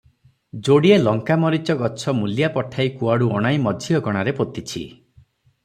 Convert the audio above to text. ଯୋଡିଏ ଲଙ୍କାମରିଚ ଗଛ ମୂଲିଆ ପଠାଇ କୁଆଡ଼ୁ ଅଣାଇ ମଝି ଅଗଣାରେ ପୋତିଛି ।